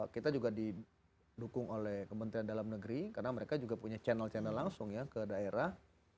kita juga didukung oleh kementerian dalam negeri karena mereka juga punya channel channel langsung ya ke daerah